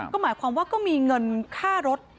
ก็หมายความว่าก็มีเงินค่ารถ